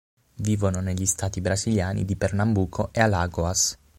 Vivono negli stati brasiliani di Pernambuco e Alagoas.